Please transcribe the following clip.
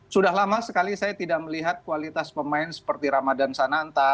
sudah lama sekali saya tidak melihat kualitas pemain seperti ramadan sananta